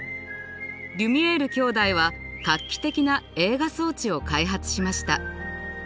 リュミエール兄弟は画期的な映画装置を開発しました。